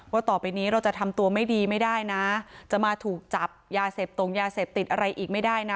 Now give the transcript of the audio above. ต่อไปนี้เราจะทำตัวไม่ดีไม่ได้นะจะมาถูกจับยาเสพตรงยาเสพติดอะไรอีกไม่ได้นะ